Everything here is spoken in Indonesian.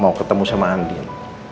mau ketemu sama andin